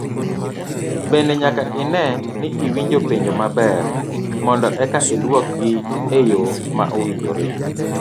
Bende nyaka ine ni iwinjo penjo maber mondo eka iduok gi eyo ma owinjore.